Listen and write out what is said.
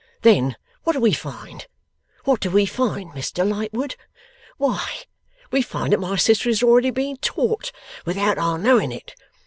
Then, what do we find? What do we find, Mr Lightwood? Why, we find that my sister is already being taught, without our knowing it.